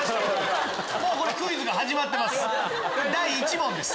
もうクイズが始まってます